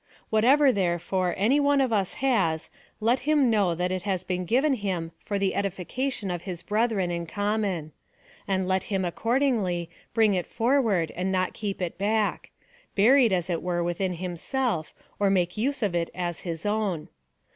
Whatever, therefore, any one of us has, let him know that it has been given him for the edification of his brethren in common ; and let him, accordingly, bring it forward, and not keep it back — buried, as it were, within himself, or make use of it as his own.